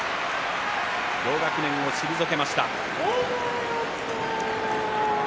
同学年を退けました。